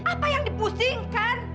apa yang dipusingkan